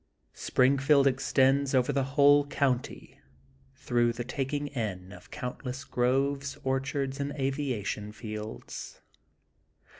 Springfield ex tends over the whole county through the tak ing in of countless groves, orchards, and aviation fields.